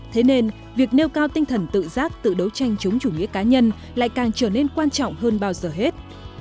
thế nên việc nêu cao tinh thần tự giác tự đấu tranh chống chủ nghĩa cá nhân lại càng trở nên quan trọng hơn bao giờ hết